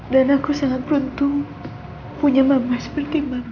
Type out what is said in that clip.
dan aku sangat beruntung punya mama seperti mama